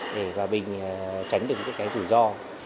để bà bình tránh được những cái rủi ro